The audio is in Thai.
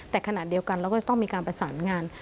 แต่ขณะเดียวกันเราก็จะต้องมีการประสานงาน